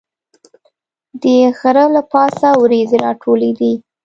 د غره له پاسه وریځې راټولېدې.